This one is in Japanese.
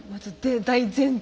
大前提。